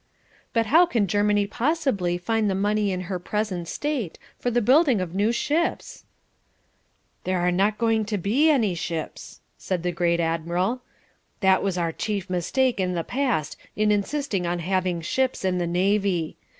"But how can Germany possibly find the money in her present state for the building of new ships?" "There are not going to be any ships," said the great admiral. "That was our chief mistake in the past in insisting on having ships in the navy.